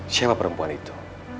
siapa perempuan itu